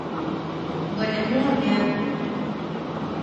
Bwe ne juʼunean.